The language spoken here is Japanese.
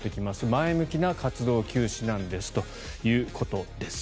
前向きな活動休止なんですということです。